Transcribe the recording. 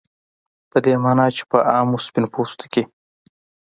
په دې معنا چې په عامو سپین پوستو کې